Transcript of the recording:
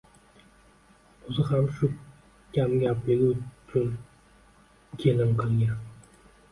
O‘zi ham shu kamgapligi uchun kelin qilgan